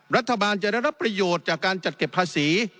รัฐบาลจะได้รับประโยชน์จากการจัดเก็บภาษี